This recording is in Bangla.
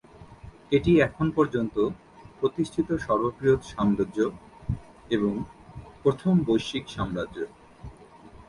এটি এখন পর্যন্ত প্রতিষ্ঠিত সর্ববৃহৎ সাম্রাজ্য এবং প্রথম বৈশ্বিক সাম্রাজ্য।